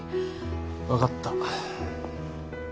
分かった。